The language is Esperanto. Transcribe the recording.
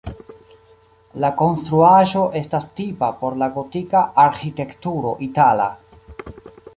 La konstruaĵo estas tipa por la gotika arĥitekturo itala.